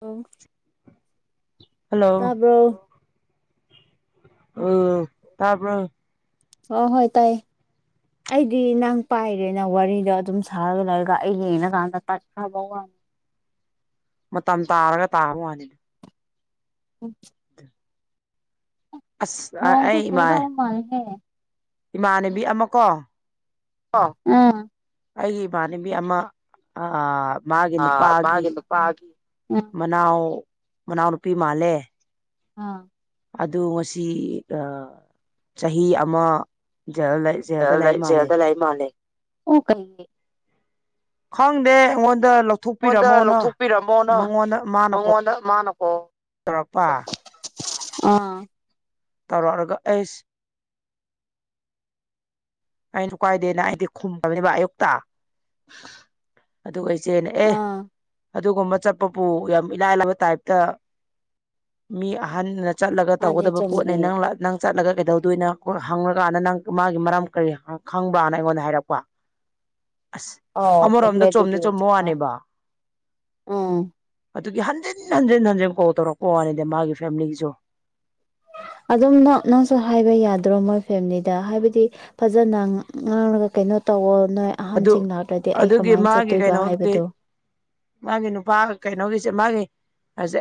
hello ꯇꯥꯕ꯭ꯔꯣ ꯎꯝ ꯇꯥꯕ꯭ꯔꯣ ꯍꯣꯏ ꯍꯣꯏ ꯇꯥꯏꯌꯦ ꯑꯩꯗꯤ ꯅꯪ ꯄꯥꯏꯔꯦꯅ ꯋꯥꯔꯤꯗꯣ ꯑꯗꯨꯝ ꯁꯥ ꯂꯩꯔꯒ ꯑꯩ ꯌꯦꯡꯉꯀꯥꯟꯗ ꯇꯠꯈ꯭ꯔꯕ ꯋꯥ ꯃꯇꯝ ꯇꯥꯔꯒ ꯇꯥꯕ ꯋꯥꯅꯤ ꯎꯝ ꯅꯣꯡꯁꯨ ꯆꯨꯗꯧ ꯃꯥꯜꯂꯤꯍꯦ ꯏꯃꯥꯟꯅꯕꯤ ꯑꯃꯀꯣ ꯀꯣ ꯎꯝ ꯑꯩꯒꯤ ꯏꯃꯥꯟꯅꯕꯤ ꯑꯃ ꯑꯥ ꯃꯥꯒꯤ ꯅꯨꯄꯥꯒꯤ ꯃꯅꯥꯎ ꯃꯅꯥꯎ ꯅꯨꯄꯤ ꯃꯥꯜꯂꯦ ꯑꯥ ꯑꯗꯨ ꯉꯁꯤ ꯑꯥ ꯆꯍꯤ ꯑꯃ [unintelligible] ꯖꯦꯜꯗ ꯂꯩ ꯃꯥꯜꯂꯦ ꯑꯣ ꯀꯩꯒꯤ ꯈꯪꯗꯦ ꯑꯩꯉꯣꯟꯗ ꯂꯧꯊꯣꯛ ꯄꯤꯔꯝꯃꯣꯅ ꯃꯉꯣꯟꯗ ꯃꯥꯅꯀꯣ ꯇꯧꯔꯛꯄꯥ ꯑꯥ ꯇꯧꯔꯛꯂꯒ ꯑꯩꯁ ꯑꯩꯟꯁꯨ ꯀꯥꯏꯗꯦꯅ ꯑꯩꯗꯤ ꯈꯨꯝꯕꯅꯦꯕ ꯑꯌꯨꯛꯇ ꯑꯗꯨꯒꯩ ꯇꯦꯟ ꯑꯦ ꯑꯗꯨꯒꯨꯝꯕ ꯆꯠꯄꯕꯨ ꯌꯥꯝ ꯏꯂꯥꯏ ꯂꯥꯢꯕ ꯇꯥꯏꯞꯇ ꯃꯤ ꯑꯍꯟꯅ ꯆꯠꯂꯒ ꯇꯧꯒꯗꯕ ꯄꯣꯠꯅꯤ ꯅꯪ ꯅꯪ ꯆꯠꯂꯒ ꯀꯩꯗꯧꯗꯣꯏꯅꯣꯀꯣ ꯍꯪꯉꯀꯥꯟꯗ ꯅꯪ ꯃꯥꯒꯤ ꯃꯔꯝ ꯀꯔꯤ ꯈꯪꯕ꯭ꯔꯥꯅ ꯑꯩꯉꯣꯟꯗ ꯍꯥꯏꯔꯛꯄ ꯑꯁ ꯑꯃꯔꯣꯝꯗ ꯆꯨꯝꯗꯤ ꯆꯨꯝꯃ ꯋꯥꯅꯦꯕ ꯗꯨꯒꯤ ꯍꯟꯖꯤꯟ ꯍꯟꯖꯤꯟ ꯍꯟꯖꯤꯟ ꯀꯣꯜ ꯇꯧꯔꯛꯄ ꯋꯥꯅꯤꯗ ꯃꯥꯒꯤ ꯐꯦꯃꯤꯂꯤꯒꯤꯁꯨ ꯑꯗꯨꯝ ꯅꯣ ꯅꯪꯁꯨ ꯍꯥꯏꯕ ꯌꯥꯗ꯭ꯔꯣ ꯃꯣꯏ ꯐꯦꯝꯂꯤꯗ ꯍꯥꯏꯕꯗꯤ ꯐꯖꯅ ꯉꯥꯡꯉꯒ ꯀꯩꯅꯣ ꯇꯧꯋꯣ ꯅꯣꯏ ꯑꯍꯟꯁꯤꯡ ꯂꯥꯛꯇ꯭ꯔꯗꯤ ꯑꯩ ꯀꯃꯥꯏ ꯆꯠꯇꯣꯏꯕ ꯍꯥꯏꯕꯗꯣ ꯃꯥꯒꯤ ꯅꯨꯄꯥ ꯀꯩꯅꯣꯒꯤꯁꯦ ꯃꯥꯒꯤ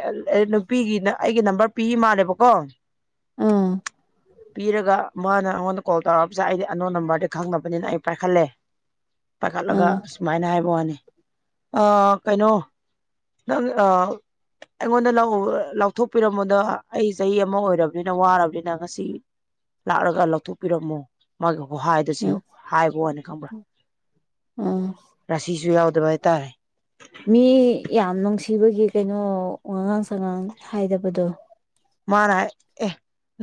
[unintelligible] ꯅꯨꯄꯤꯒꯤ ꯑꯩꯒꯤ ꯅꯝꯕꯔ ꯄꯤ ꯃꯥꯜꯂꯦꯕꯀꯣ ꯄꯤꯔꯒ ꯃꯥꯅ ꯑꯩꯉꯣꯟꯗ ꯀꯣꯜ ꯇꯥ [unintelligible] ꯑꯩꯗꯤ ꯑꯟꯅꯣꯟ ꯅꯝꯕꯔꯗꯤ ꯈꯪꯗꯕꯅꯤꯅ ꯑꯩ ꯄꯥꯏꯈꯠꯂꯦ ꯄꯥꯏꯈꯠꯂꯒ ꯑꯁꯨꯃꯥꯏꯅ ꯍꯥꯏꯕ ꯋꯥꯅꯦ ꯑ ꯀꯩꯅꯣ ꯅꯪ ꯑ ꯑꯩꯉꯣꯟꯗ ꯂꯧ ꯂꯥꯎꯊꯣꯛꯄꯤꯔꯝꯕꯗꯣ ꯑꯩ ꯆꯍꯤ ꯑꯃ ꯑꯣꯏꯔꯕꯅꯤꯅ ꯋꯥꯔꯕꯅꯤꯅ ꯉꯁꯤ ꯂꯥꯛꯂꯒ ꯂꯧꯊꯣꯛꯄꯤꯔꯝꯃꯣ ꯃꯥꯒꯤ ꯋꯥꯍꯥꯏꯗꯁꯨ ꯍꯥꯏꯕ ꯋꯥꯅꯦ ꯈꯪꯕ꯭ꯔꯥ ꯎꯝ ꯖꯨ ꯌꯥꯎꯗꯕ ꯍꯥꯏꯇꯥꯔꯦ ꯃꯤ ꯌꯥꯝ ꯅꯨꯡꯁꯤꯕꯒꯤ ꯀꯩꯅꯣ ꯋꯥꯉꯥꯡ ꯁꯉꯥꯡ ꯍꯥꯏꯗꯕꯗꯣ ꯃꯥꯅ ꯍꯥꯏ ꯑꯦ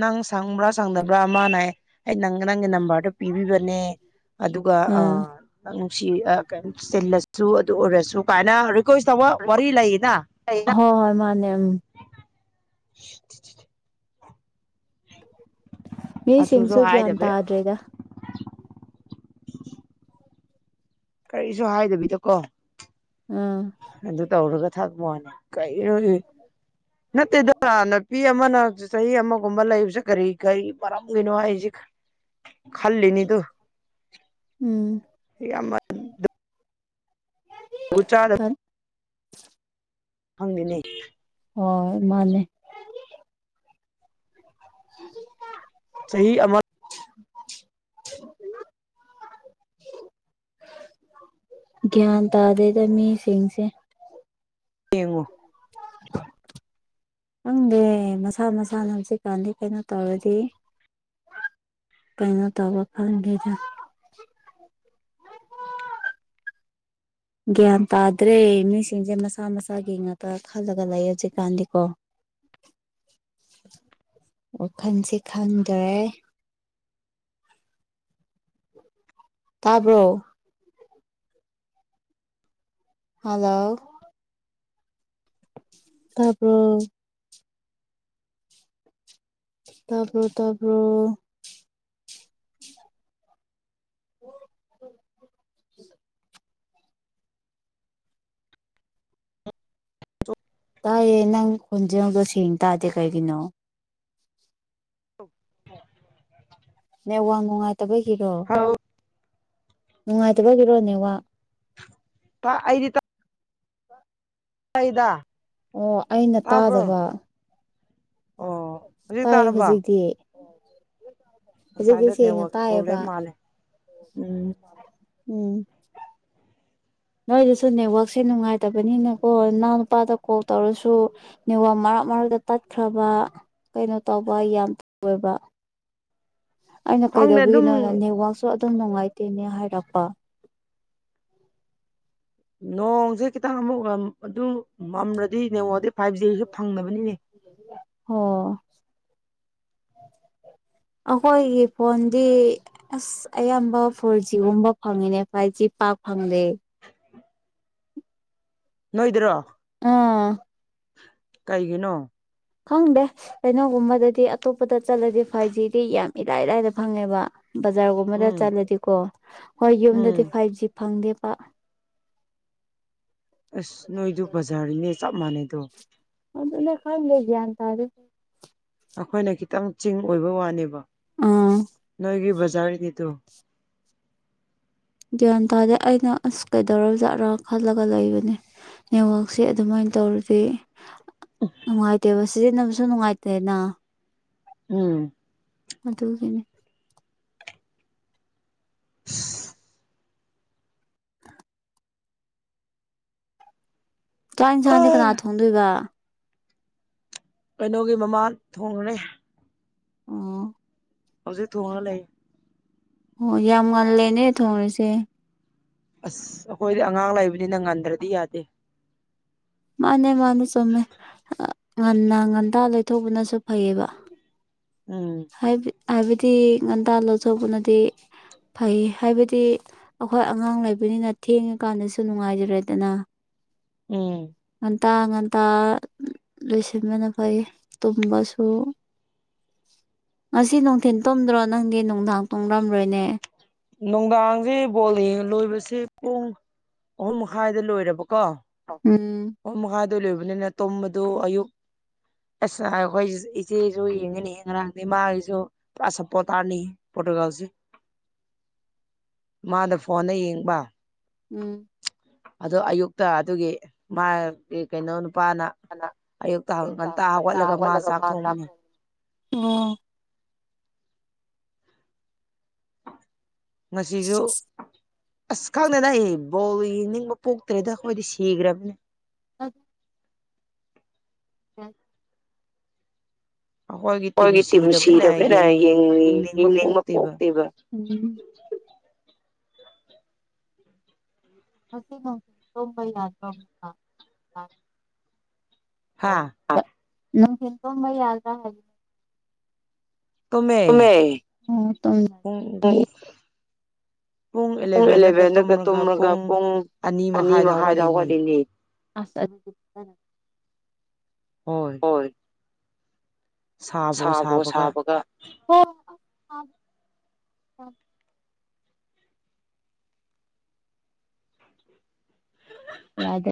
ꯅꯪ ꯁꯪꯕ꯭ꯔꯥ ꯁꯪꯗꯕ꯭ꯔꯥ ꯃꯥꯅ ꯍꯥꯢ ꯑꯩ ꯅꯪ ꯅꯪꯒꯤ ꯅꯝꯕꯔꯗꯣ ꯄꯤꯕꯤꯕꯅꯦ ꯑꯗꯨꯒ ꯑ ꯅꯨꯡꯁꯤ ꯀꯩꯅꯣ ꯆꯤꯜꯂꯁꯨ ꯑꯗꯨ ꯑꯣꯏꯔꯁꯨ ꯀꯥꯏꯅ ꯔꯤꯛ ꯀꯣꯏꯁ ꯇꯧꯕ ꯋꯥꯔꯤ ꯂꯩꯌꯦꯅ [unintelligible] ꯃꯤꯁꯤꯡꯁꯨ ꯒ꯭ꯌꯥꯟ ꯇꯥꯗ꯭ꯔꯦꯗ [inaudible] ꯀꯔꯤꯁꯨ ꯍꯥꯏꯗꯕꯤꯗ ꯀꯣ ꯑꯗꯨ ꯇꯧꯔꯒ ꯊꯛꯕꯋꯥꯅꯦ ꯀꯩ [unintelligible] ꯅꯠꯇꯦꯗ ꯅꯨꯄꯤ ꯑꯃꯅ ꯆꯍꯤ ꯑꯃꯒꯨꯝꯕ ꯂꯩꯕꯁꯦ ꯀꯔꯤ ꯀꯔꯤ ꯃꯔꯝꯒꯤꯅꯣ ꯍꯥꯏꯁꯤ ꯈꯜꯂꯤꯅꯤ ꯗꯨ ꯎꯝ ꯎ ꯆꯥꯗ ꯈꯪꯗꯦꯅꯦ ꯍꯣꯏ ꯃꯥꯅꯦ [inaudible] ꯆꯍꯤ ꯑꯃ [inaudible] ꯒ꯭ꯌꯥꯟ ꯇꯥꯗꯦꯗ ꯃꯤꯁꯤꯡꯁꯦ ꯌꯦꯡꯉꯣ ꯈꯪꯗꯦ ꯃꯁꯥ ꯃꯁꯥꯅ ꯍꯧꯖꯤꯛꯀꯥꯟꯗꯤ ꯀꯩꯅꯣ ꯇꯧꯔꯗꯤ ꯀꯩꯅꯣ ꯇꯧꯕ ꯈꯪꯗꯦꯗ ꯒ꯭ꯌꯥꯟ ꯇꯥꯗ꯭ꯔꯦ ꯃꯤꯁꯤꯡꯁꯦ ꯃꯁꯥ ꯃꯁꯥꯒꯤ ꯉꯥꯛꯇ ꯈꯜꯂꯒ ꯂꯩꯑꯦ ꯍꯧꯖꯤꯛꯀꯥꯟꯗꯤꯀꯣ [inaudible] ꯋꯥꯈꯜꯁꯤ ꯈꯪꯗ꯭ꯔꯦ [inaudible] ꯇꯥꯕ꯭ꯔꯣ ꯍꯜꯂꯣ ꯇꯥꯕ꯭ꯔꯣ ꯇꯥꯕ꯭ꯔꯣ ꯇꯥꯕ꯭ꯔꯣ [inaudible] [inaudible] ꯇꯥꯏꯌꯦ ꯅꯪ ꯈꯣꯟꯖꯦꯜꯗꯣꯁꯦꯡ ꯇꯥꯗꯦ ꯀꯩꯒꯤꯅꯣ [inaudible] ꯅꯦꯠ ꯋꯥꯛ ꯅꯨꯡꯉꯥꯏꯇꯕꯒꯤꯔꯣ ꯅꯨꯡꯉꯥꯏꯇꯕꯒꯤꯔꯣ ꯅꯦꯋꯥꯛ ꯄꯥ ꯑꯩꯗꯤ ꯇꯥ ꯇꯥꯢꯗ ꯑꯣ ꯑꯩꯅ ꯇꯥꯗꯕ ꯑꯣ ꯇꯥꯏ ꯍꯨꯖꯤꯛꯇꯤ ꯉꯁꯥꯏꯗꯣ ꯅꯦꯠ ꯋꯥꯛ ꯄꯔꯣꯕ꯭ꯂꯦꯝ ꯃꯜꯂꯤ ꯎꯝ ꯎꯝ ꯅꯣꯏꯗꯁꯨ ꯅꯦꯠꯋꯥꯛꯁꯦ ꯅꯨꯡꯉꯥꯏꯇꯕꯅꯤꯅꯀꯣ ꯏꯅꯥꯎ ꯅꯨꯄꯥꯗ ꯀꯣꯜ ꯇꯧꯔꯁꯨ ꯅꯦꯠꯋꯥꯛ ꯃꯔꯥꯡ ꯆꯞ ꯃꯔꯛꯇ ꯇꯠꯈ꯭ꯔꯕ ꯀꯩꯅꯣ ꯇꯧꯕ ꯌꯥꯝ ꯑꯣꯏꯕ ꯑꯩꯅ ꯀꯩꯗꯧꯕꯒꯤꯅꯣ ꯅꯦꯋꯥꯛꯁꯨ ꯇꯨ ꯅꯨꯡꯉꯥꯏꯇꯦꯅꯦ ꯍꯥꯏꯔꯛꯄ ꯅꯣꯡꯁꯦ ꯈꯤꯇꯪ ꯑꯃꯨꯛ ꯑꯗꯨ ꯃꯝꯔꯗꯤ ꯅꯦꯋꯥꯛꯗꯤ ꯐꯥꯏꯚ ꯖꯤꯁꯨ ꯐꯪꯗꯕ ꯑꯣ [inaudible] ꯑꯩꯈꯣꯏꯒꯤ ꯐꯣꯟꯗꯤ ꯑꯁ ꯑꯌꯥꯝꯕ ꯐꯣꯔ ꯖꯤꯒꯨꯝꯕ ꯐꯪꯉꯤꯅꯦ ꯐꯥꯏꯚ ꯖꯤ ꯄꯥꯛ ꯐꯪꯗꯦ ꯅꯣꯏꯗꯔꯣ ꯀꯩꯒꯤꯅꯣ ꯈꯪꯗꯦ ꯀꯩꯅꯣꯒꯨꯝꯕꯗꯗꯤ ꯑꯇꯣꯞꯄꯗ ꯆꯠꯂꯗꯤ ꯐꯥꯏꯚ ꯖꯤꯗꯤ ꯌꯥꯝ ꯏꯔꯥꯏ ꯂꯥꯏꯗ ꯐꯪꯉꯦꯕ ꯕꯖꯥꯔꯒꯨꯝꯕꯗ ꯆꯠꯂꯗꯤꯀꯣ ꯍꯣꯏ ꯌꯨꯝꯗꯗꯤ ꯐꯥꯏꯚ ꯖꯤ ꯐꯪꯗꯦ [inaudible] ꯑꯁ ꯅꯣꯏꯗꯨ ꯕꯖꯥꯔꯒꯤꯅꯦ ꯆꯞ ꯃꯥꯟꯅꯩꯗꯣ ꯑꯗꯨ ꯅꯦ ꯈꯪꯗꯦ ꯒ꯭ꯌꯥꯟ ꯇꯗꯦ ꯑꯩꯈꯣꯏꯅ ꯈꯤꯇꯪ ꯆꯤꯡ ꯑꯣꯏꯕ ꯋꯥꯅꯦꯕ ꯅꯣꯏꯒꯤ ꯕꯖꯥꯔꯒꯤꯗꯣ ꯒ꯭ꯌꯥꯟ ꯇꯥꯗꯦ ꯑꯩꯅ ꯑꯁ ꯀꯩꯗꯧꯔꯕꯖꯥꯠꯔꯥ ꯈꯜꯂꯒ ꯂꯩꯕꯅꯦ ꯅꯦꯠꯋꯥꯛꯁꯦ ꯑꯗꯨꯃꯥꯏꯅ ꯇꯧꯔꯗꯤ ꯅꯨꯡꯉꯥꯏꯇꯦꯕ ꯁꯤꯖꯤꯟꯅꯕꯁꯨ ꯅꯨꯡꯉꯥꯏꯇꯦꯅ ꯎꯝ ꯑꯗꯨꯒꯤꯅꯤ [inaudible] ꯆꯥꯛ ꯏꯟꯁꯥꯡꯗꯤ ꯀꯅꯥ ꯊꯣꯡꯗꯣꯏꯕ ꯀꯩꯅꯣꯒꯤ ꯃꯃꯥ ꯊꯣꯡꯉꯨꯔꯦ ꯑꯣ ꯍꯧꯖꯤꯛ ꯊꯣꯡꯉ ꯂꯩ ꯑꯣ ꯌꯥꯝ ꯉꯜꯂꯦꯅꯦ ꯊꯣꯡꯔꯤꯁꯦ ꯑꯁ ꯑꯈꯣꯏꯗꯤ ꯑꯉꯥꯡ ꯂꯩꯕꯅꯤꯅ ꯉꯟꯗ꯭ꯔꯗꯤ ꯌꯥꯗꯦ ꯃꯥꯅꯦ ꯃꯥꯅꯦ ꯆꯨꯝꯃꯦ ꯉꯟꯅꯥ ꯉꯟꯇꯥ ꯑꯗꯨꯝ ꯇꯧꯕꯅꯁꯨ ꯐꯩꯌꯦꯕ ꯎꯝ ꯍꯥꯏꯕꯗꯤ ꯉꯟꯇꯥꯅ ꯂꯧꯆꯧꯕꯅꯗꯤ ꯐꯩ ꯍꯥꯏꯕꯗꯤ ꯑꯈꯣꯏ ꯑꯉꯥꯡ ꯂꯩꯕꯅꯤꯅ ꯊꯦꯡꯉꯀꯥꯟꯗꯁꯨ ꯅꯨꯡꯉꯥꯏꯖꯔꯦꯗꯅ ꯎꯝ ꯇꯥꯥ ꯉꯟꯇꯥ ꯂꯣꯏꯁꯤꯟꯕꯅ ꯐꯩ ꯇꯨꯝꯕꯁꯨ ꯉꯁꯤ ꯅꯨꯡꯊꯤꯟ ꯇꯨꯝꯗ꯭ꯔꯣ ꯅꯪꯗꯤ ꯅꯨꯡꯗꯥꯡ ꯇꯨꯝꯔꯝꯔꯣꯏꯅꯦ ꯅꯨꯡꯗꯥꯡꯖꯤ ꯕꯣꯜ ꯂꯣꯏꯕꯁꯦ ꯄꯨꯡ ꯑꯍꯨꯝ ꯃꯈꯥꯏꯗ ꯂꯣꯏꯔꯕ ꯀꯣ ꯑꯍꯨꯝ ꯃꯈꯥꯏꯗ ꯂꯣꯏꯕꯅꯤꯅ ꯇꯨꯝꯕꯗꯨ ꯑꯌꯨꯛ ꯑꯁ ꯑꯈꯣꯏ ꯏꯆꯦꯁꯨ ꯌꯦꯡꯉꯅꯤ ꯉꯔꯥꯡꯁꯦ ꯃꯥꯒꯤꯁꯨ ꯑꯁ ꯁꯄꯣꯇ꯭ꯔꯅꯤ ꯄꯣꯇꯣꯒꯥꯜꯁꯤ ꯃꯥꯗ ꯐꯣꯟꯗ ꯌꯦꯡꯕ ꯎꯝ ꯑꯗꯣ ꯑꯌꯨꯛꯇ ꯑꯗꯨꯒꯤ ꯃꯥꯒꯤ ꯀꯩꯅꯣ ꯅꯨꯄꯥꯅ ꯑꯌꯨꯛꯇ ꯉꯟꯇꯥ ꯍꯧꯒꯠꯂꯒ ꯃꯥ ꯆꯥꯛ ꯊꯣꯡꯕꯅꯤ ꯑꯣ ꯉꯁꯤꯖꯨ ꯑꯁ ꯈꯪꯗꯦꯗ ꯑꯩ ꯕꯣꯜ ꯌꯦꯡꯅꯤꯡꯕ ꯄꯣꯛꯇ꯭ꯔꯦꯗ ꯑꯈꯣꯏꯗꯤ ꯁꯤꯈ꯭ꯔꯕꯅꯦ ꯑꯁ [unintelligible] ꯃꯣꯏꯒꯤ ꯇꯤꯝ ꯁꯤꯔꯕꯅꯤꯅ ꯌꯦꯡꯅꯤꯡ ꯌꯦꯡꯅꯤꯡꯕ ꯄꯣꯛꯇꯦꯕ ꯉꯁꯤ [unintelligible] ꯌꯥꯗ꯭ꯔꯣ [unintelligible] [unintelligible] ꯂꯝꯍꯦꯟꯕ ꯃꯌꯥꯝꯗ ꯍꯥꯢꯕ ꯇꯨꯝꯃꯦ ꯎꯝ ꯇꯨꯝꯗ꯭ꯔꯗꯤ ꯄꯨꯡ ꯑꯦꯂꯦꯚꯦꯟꯗꯒ ꯇꯨꯝꯂꯒ ꯄꯨꯡ ꯑꯅꯤ ꯃꯈꯥꯏꯗ ꯍꯧꯒꯠꯂꯤꯅꯦ ꯑꯁ ꯑꯗꯨꯗꯤ ꯐꯖ ꯍꯣꯏ ꯁꯥꯕꯣ ꯁꯥꯕꯒ ꯌꯥꯢꯗ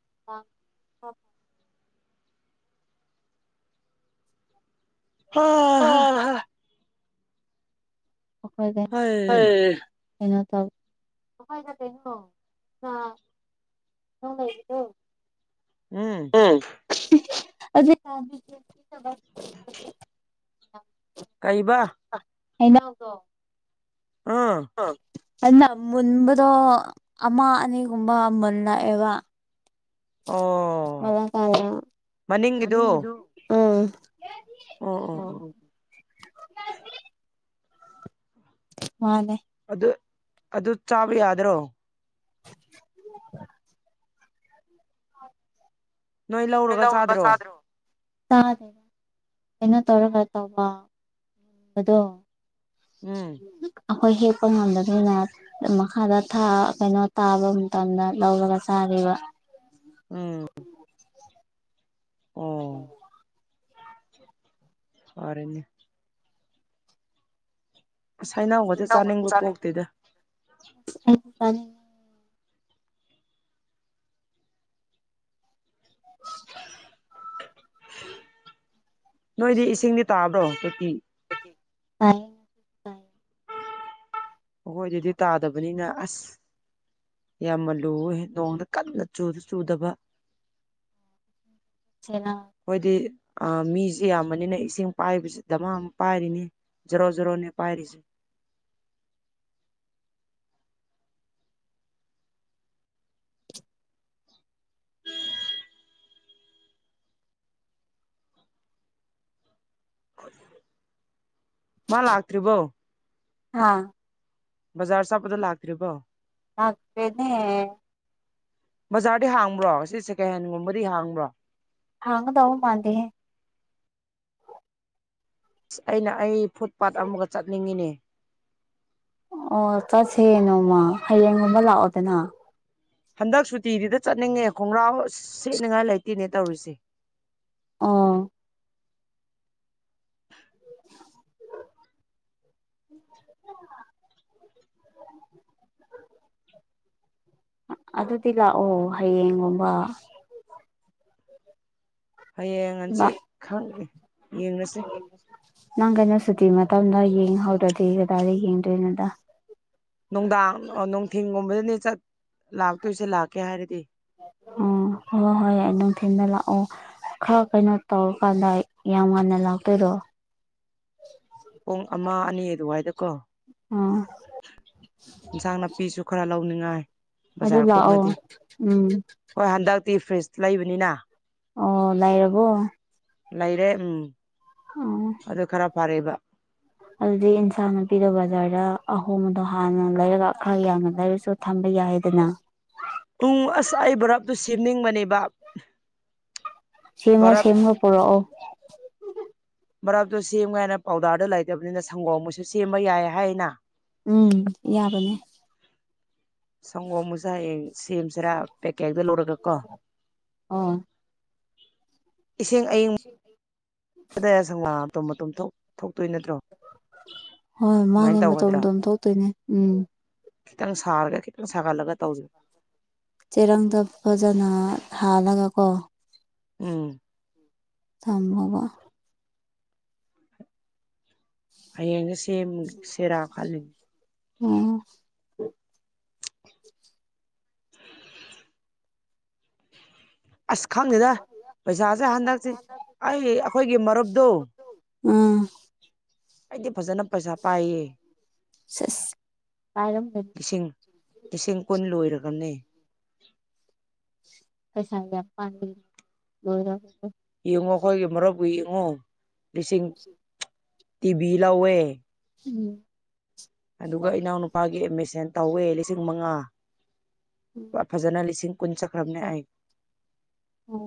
[unintelligible] ꯑ ꯍ ꯈꯣꯏ ꯀꯩꯅꯣ ꯑꯥꯢ ꯀꯩꯅꯣ ꯇꯧ ꯃꯈꯣꯢꯗ ꯀꯩꯅꯣ ꯅ ꯀꯩꯅꯣ ꯂꯩꯕꯗꯣ ꯎꯝ [unintelligible] [unintelligible] ꯀꯩꯕ ꯍꯩꯅꯧꯗꯣ ꯑꯥ ꯍꯥꯥꯏꯅꯧ ꯃꯨꯟꯕꯗꯣ ꯑꯃ ꯑꯅꯤꯒꯨꯝꯕ ꯃꯨꯜꯂꯛꯑꯦꯕ ꯃꯨꯜꯂꯀꯥꯟꯗ ꯃꯅꯤꯡꯒꯤꯗꯣ ꯑ ꯑꯣ ꯑꯣ ꯑꯣ ꯃꯥꯅꯦ ꯑꯗꯨ ꯑꯗꯨ ꯆꯥꯕ ꯌꯥꯗ꯭ꯔꯣ [inaudible] [inaudible] ꯅꯣꯏ ꯂꯧꯔꯒ ꯆꯥꯗ꯭ꯔꯣ ꯇꯥꯗꯦ ꯀꯩꯅꯣ ꯇꯧꯔꯒ ꯇꯧꯕ ꯑꯗꯣ [inaudible] ꯑꯩꯈꯣꯏ ꯍꯦꯛꯄ ꯉꯝꯗꯕꯅꯤꯅ ꯃꯈꯥꯗ ꯊꯥ ꯀꯩꯅꯣ ꯇꯥꯕ ꯃꯇꯝꯗ ꯂꯧꯔꯒ ꯆꯥ [unintelligible] ꯎꯝ ꯎꯝ ꯐꯔꯦꯅꯦ ꯑꯁ ꯍꯩꯅꯧꯒꯥꯗꯤ ꯆꯥꯅꯤꯡꯕ ꯄꯣꯛꯇꯦꯗ ꯑꯩꯗꯤ ꯆꯥꯅꯤꯡꯉꯦ ꯅꯣꯏꯗꯤ ꯏꯁꯤꯡꯗꯤ ꯇꯥꯕ꯭ꯔꯣ ꯇꯣꯇꯤ ꯇꯥꯢꯑꯦ ꯇꯥꯢ ꯑꯩꯈꯣꯏꯗꯗꯤ ꯇꯥꯗꯕꯅꯤꯅ ꯑꯁ ꯌꯥꯝꯅ ꯂꯨꯍꯦ ꯅꯣꯡꯗꯨ ꯀꯟꯅ ꯆꯨꯁꯨ ꯆꯨꯗꯕ ꯍꯣꯏꯗꯤ ꯑ ꯃꯤꯁꯦ ꯌꯥꯝꯕꯅꯤꯅ ꯏꯁꯤꯡ ꯄꯥꯏꯕꯁꯤ ꯗꯝꯃꯥꯃ ꯄꯥꯏꯔꯤꯅꯤ ꯖꯔꯣ ꯖꯔꯣꯅꯤ ꯄꯥꯏꯔꯤꯁꯦ [inaudible] ꯃꯥ ꯂꯥꯛꯇ꯭ꯔꯤꯕꯣ ꯍꯥꯥ ꯕꯖꯥꯔ ꯆꯠꯄꯗꯣ ꯂꯥꯛꯇ꯭ꯔꯤꯕꯣ ꯂꯥꯛꯇꯔꯦꯅꯦ ꯕꯖꯥꯔꯗꯤ ꯍꯥꯡꯕ꯭ꯔꯣ ꯁꯤ ꯁꯦꯀꯦꯟ ꯍꯦꯟꯒꯨꯝꯕꯗꯤ ꯍꯥꯡꯕ꯭ꯔꯣ ꯍꯥꯡꯒꯗꯧ ꯃꯥꯥꯟꯗꯦ ꯍꯦ ꯑꯁ ꯑꯩꯅ ꯑꯩ ꯐꯨꯠ ꯄꯥꯠ ꯑꯃꯨꯛꯀ ꯆꯠꯅꯤꯡꯉꯤꯅꯦ ꯑꯣ ꯆꯠꯁꯦ ꯅꯣꯡꯃ ꯍꯌꯦꯡꯒꯨꯝꯕ ꯂꯥꯛꯑꯣꯗꯅ ꯍꯟꯗꯛ ꯁꯨꯇꯤꯗꯨꯗ ꯆꯠꯅꯤꯡꯉꯦ ꯈꯣꯡꯒ꯭ꯔꯥꯎ ꯁꯦꯠꯅꯤꯉꯥꯏ ꯂꯩꯇꯦꯅꯦ ꯇꯧꯔꯤꯁꯦ ꯑꯣ [inaudible] ꯑꯗꯨꯗꯤ ꯂꯥꯛꯑꯣ ꯍꯌꯦꯡꯒꯨꯝꯕ ꯍꯌꯦꯡ ꯍꯟꯆꯤꯠ ꯈꯪꯗꯦ ꯌꯦꯡꯔꯁꯤ ꯇꯥꯞꯅ ꯌꯦꯡꯍꯧꯗ꯭ꯔꯗꯤ ꯀꯗꯥꯏꯗ ꯌꯦꯡꯗꯣꯏꯅꯣꯗ ꯅꯨꯡꯗꯥꯡ ꯅꯨꯡꯊꯤꯟꯒꯨꯝꯕꯗꯅꯦ ꯆꯠ ꯂꯥꯛꯇꯣꯏꯁꯦ ꯂꯥꯛꯀꯦ ꯍꯥꯏꯔꯗꯤ ꯑꯣ ꯍꯣꯏ ꯍꯣꯏ ꯌꯥꯏ ꯑꯗꯨꯝ ꯊꯤꯟꯗ ꯂꯥꯛꯑꯣ ꯈꯔ ꯀꯩꯅꯣ ꯇꯧꯔꯀꯥꯟꯗ ꯌꯥꯝ ꯉꯥꯟꯅ ꯂꯥꯛꯇꯣꯏꯔꯣ ꯄꯨꯡ ꯑꯃ ꯑꯅꯤ ꯑꯗꯨꯋꯥꯏꯗꯀꯣ ꯏꯟꯁꯥꯡ ꯅꯥꯄꯤꯁꯨ ꯈꯔ ꯂꯧꯅꯤꯡꯉꯥꯏ ꯕꯖꯥꯔ ꯀꯣꯝꯔꯗꯤ ꯍꯣꯏ ꯍꯟꯗꯛꯇꯤ ꯐ꯭ꯔꯤꯖ ꯂꯩꯕꯅꯤꯅ ꯑꯣ ꯂꯩꯔꯕꯣ ꯂꯩꯔꯦ ꯎꯝ ꯑꯣ ꯐꯔꯦꯕ ꯑꯗꯨꯗꯤ ꯏꯟꯖꯡ ꯅꯥꯄꯤꯗꯣ ꯕꯖꯥꯔꯗ ꯑꯍꯣꯡꯕꯗꯣ ꯍꯥꯟꯅ ꯂꯩꯔꯒ ꯈꯔ ꯌꯥꯝꯅ ꯂꯩꯔꯁꯨ ꯊꯝ ꯌꯥꯏꯗꯅ ꯇꯨꯡ ꯑꯁ ꯑꯩ ꯕꯔꯥꯞꯇꯨ ꯁꯦꯝꯅꯤꯡꯕꯅꯦꯕ ꯁꯤꯃꯣ ꯁꯤꯃꯣ ꯄꯨꯔꯛꯑꯣ ꯕꯔꯞꯇꯣ ꯁꯦꯝꯒꯥꯏꯅ ꯄꯥꯎꯗꯔꯗꯣ ꯂꯩꯇꯕꯅꯤꯅ ꯁꯪꯒꯣꯝ ꯑꯣꯏꯁꯨ ꯁꯦꯝꯕ ꯌꯥꯏ ꯍꯥꯏꯅ ꯎꯝ ꯌꯥꯕꯅꯦ ꯁꯪꯒꯣꯝ ꯃꯨꯁꯦ ꯍꯌꯦꯡ ꯁꯦꯝꯁꯤꯔ ꯄꯦꯛꯀꯦꯛꯇ ꯂꯧꯔꯒ ꯀꯣ ꯏꯁꯤꯡ ꯑꯌꯤꯡ ꯀꯗꯩ ꯁꯪꯪꯒꯣꯝ ꯃꯇꯨꯝ ꯃꯇꯨꯝ ꯊꯣꯛ ꯊꯣꯛ ꯍꯣꯏ ꯃꯥꯅꯦ ꯃꯇꯨꯝ ꯃꯇꯨꯝ ꯊꯣꯛꯇꯣꯏꯅꯦ ꯎꯝ ꯈꯤꯇꯪ ꯁꯥꯔꯒ ꯈꯤꯇꯪ ꯁꯥꯒꯠꯂꯒ ꯇꯧꯔꯤ ꯆꯦꯔꯪꯗ ꯐꯖꯅ ꯍꯥꯜꯂꯒ ꯀꯣ ꯊꯝꯃꯣꯕ ꯍꯌꯦꯡꯁꯦ ꯁꯦꯝ ꯁꯦꯔꯥ ꯈꯜꯂꯤꯟ ꯎꯝ ꯑꯁ ꯈꯪꯗꯦꯗ ꯄꯩꯁꯥꯁꯦ ꯍꯟꯗꯛꯁꯤ ꯑꯩ ꯑꯈꯣꯏꯒꯤ ꯃꯔꯨꯞꯇꯣ [inaudible] ꯐꯖꯅ ꯄꯩꯁꯥ ꯄꯥꯏꯌꯦ ꯏꯁꯤꯡ ꯂꯤꯁꯤꯡ ꯀꯨꯟ ꯂꯣꯏꯔꯒꯅꯦ ꯄꯩꯁꯥꯌꯝ ꯄꯥꯏꯕꯤꯅꯤ ꯂꯣꯏꯔꯒ ꯌꯦꯡꯉꯣ ꯑꯈꯣꯏꯒꯤ ꯃꯔꯨꯞꯄꯨ ꯌꯦꯡꯉꯣ ꯂꯤꯁꯤꯡ ꯇꯤꯕꯤ ꯂꯧꯋꯦ ꯎꯝ ꯑꯗꯨꯒ ꯏꯅꯥꯎꯅꯨꯄꯥꯒꯤ ꯑꯦꯠꯃꯤꯁꯟ ꯇꯧꯋꯦ ꯂꯤꯁꯤꯡ ꯃꯉꯥ ꯐꯖꯅ ꯂꯤꯁꯤꯡ ꯀꯨꯟ ꯆꯠꯈ꯭ꯔꯕꯅꯦ ꯑꯩ ꯑꯣ